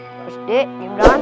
harus di gibran